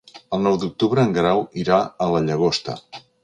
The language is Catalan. El nou d'octubre en Guerau irà a la Llagosta.